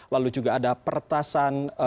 lalu juga ada pertasan